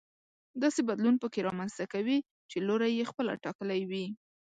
داسې بدلون پکې رامنځته کوي چې لوری يې خپله ټاکلی وي.